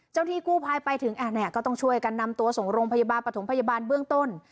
เจ้าที่กูพายไปถึงแอดแหน่ก็ต้องช่วยกันนำตัวสงรมพยาบาปปฐมพยาบาลเบื้องต้น